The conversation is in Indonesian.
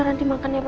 nanti makan ya bu